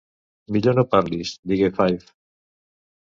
"Millor no parlis!", digué Five.